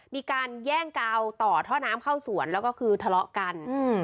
มีการแย่งกาวต่อท่อน้ำเข้าสวนแล้วก็คือทะเลาะกันอืม